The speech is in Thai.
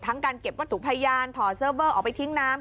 การเก็บวัตถุพยานถอดเซิร์ฟเวอร์ออกไปทิ้งน้ำ